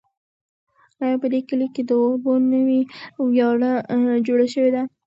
آیا په دې کلي کې د اوبو نوې ویاله جوړه شوې ده؟